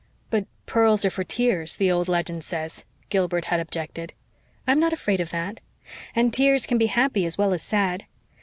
"But pearls are for tears, the old legend says," Gilbert had objected. "I'm not afraid of that. And tears can be happy as well as sad.